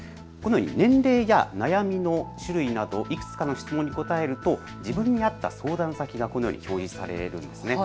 年齢や悩みの種類などいくつかの質問に答えると自分に合った相談先が表示されるんです。